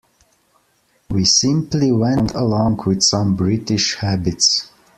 We simply went along with some British habits.